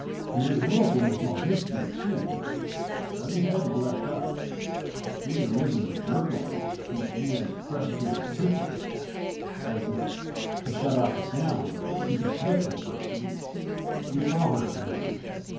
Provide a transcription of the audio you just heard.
Commander Littlefield was on his feet too, but he hadn't leapt up. He'd arisen jerkily, his hands pressed to his temples, as if to shut out the sound or keep his head from bursting. We saw her then.